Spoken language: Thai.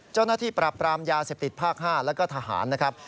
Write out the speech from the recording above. เจ้าหน้าที่ปรับปรามยาเสพติดภาค๕แล้วก็ทหารนะครับ